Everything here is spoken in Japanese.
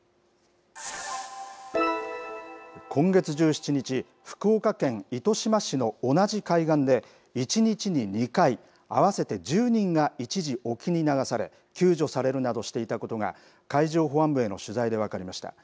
今月１７日、福岡県糸島市の同じ海岸で、１日に２回、合わせて１０人が一時沖に流され、救助されるなどしていたことが、海上保安部への取材で分かりました。